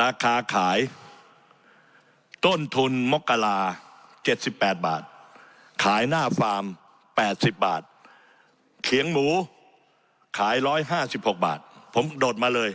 ราคาขายต้นทุนมกราเจ็ดสิบแปดบาทขายหน้าฟาร์มแปดสิบบาทเขียงหมูขายร้อยห้าสิบหกบาทผมโดดมาเลย